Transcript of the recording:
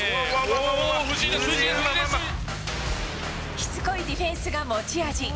しつこいディフェンスが持ち味。